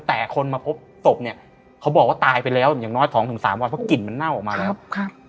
แต่คนมาพบศพเนี่ยเขาบอกว่าตายไปแล้วอย่างน้อย๒๓วันเพราะกลิ่นมันเน่าออกมานะครับ